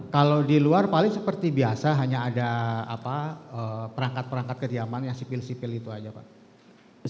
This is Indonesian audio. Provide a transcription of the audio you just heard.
kalau di luar paling seperti biasa hanya ada perangkat perangkat kediaman yang sipil sipil itu aja pak